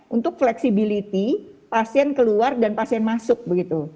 untuk fleksibilitas pasien keluar dan pasien masuk begitu